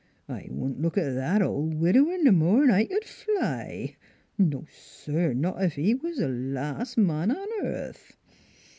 I wouldn't look at that oF widower, no more 'n I'd fly! No, sir! not ef he was th' las' man on earth."